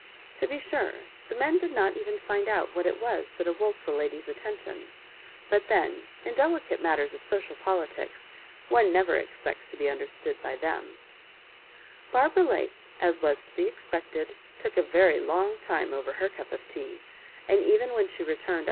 To be surie the men did not even find out what it was that awoke, the ladies' attention ; but, then, in delicate mat ters of social politics, one never expects to beun /derstood by them, Barbara Lake, as was to be expected, took a very long time over her cup of tea ; and even when she returned.